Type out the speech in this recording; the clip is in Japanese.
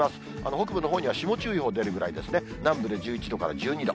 北部のほうには霜注意報出るぐらいですね、南部で１１度から１２度。